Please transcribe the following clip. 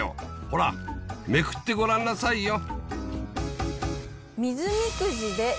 ほらめくってごらんなさいよ